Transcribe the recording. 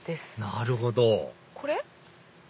なるほどこれ？